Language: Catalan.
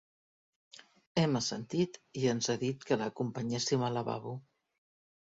Hem assentit i ens ha dit que l'acompanyéssim al lavabo.